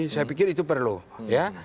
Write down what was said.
saya pikir itu perlu ya